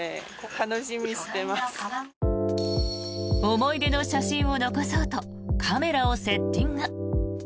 思い出の写真を残そうとカメラをセッティング。